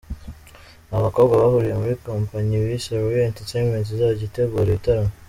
Aba bakobwa bahuriye muri kompanyi bise Royal Entertainment izajya itegura ibitaramo.